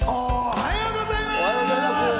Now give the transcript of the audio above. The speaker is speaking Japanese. おはようございます！